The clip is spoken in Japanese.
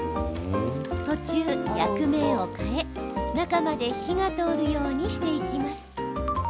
途中、焼く面を変え中まで火が通るようにしていきます。